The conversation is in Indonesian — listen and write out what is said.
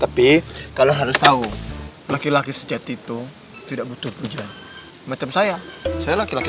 tapi kalau harus tahu laki laki sejati itu tidak butuh tujuan macam saya saya laki laki